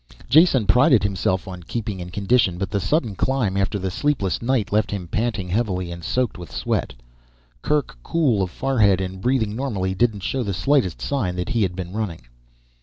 Jason prided himself on keeping in condition. But the sudden climb, after the sleepless night, left him panting heavily and soaked with sweat. Kerk, cool of forehead and breathing normally, didn't show the slightest sign that he had been running.